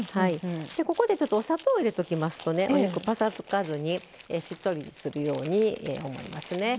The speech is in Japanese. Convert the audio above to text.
ここでお砂糖を入れときますとお肉、ぱさつかずにしっとりするように思います。